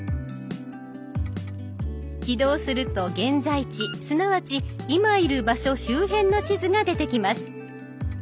起動すると現在地すなわち「いまいる場所」周辺の地図が出てきます。